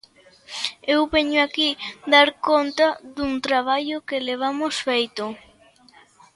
Eu veño aquí dar conta dun traballo que levamos feito.